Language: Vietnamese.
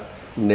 nếu như mình ra